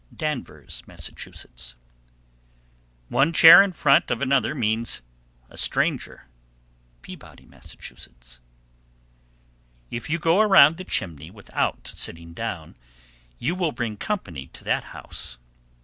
Danvers, Mass. 741. One chair in front of another means a stranger. Peabody, Mass. 742. If you go around the chimney without sitting down, you will bring company to that house.